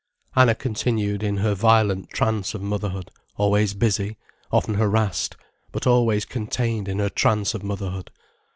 Anna continued in her violent trance of motherhood, always busy, often harassed, but always contained in her trance of motherhood.